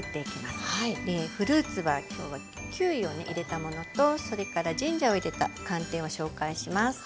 フルーツは今日はキウイをね入れたものとそれからジンジャーを入れた寒天を紹介します。